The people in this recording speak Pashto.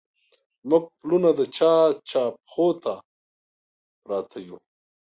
موږه پلونه د چا، چا پښو ته پراته يو